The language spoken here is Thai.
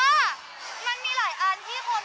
ผมรู้สึกว่ามันมีหลายอันที่คนแบบ